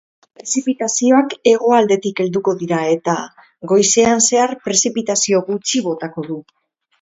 Prezipitazioak hegoaldetik helduko dira eta, goizean zehar prezipitazio gutxi botako du.